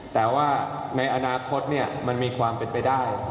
แต่ว่าในอนาคตมันมีความเป็นไปได้